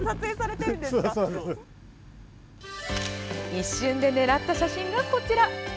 一瞬で狙った写真がこちら。